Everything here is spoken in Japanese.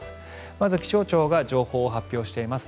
まず、気象庁が情報を発表しています。